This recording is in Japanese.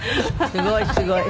すごいすごい。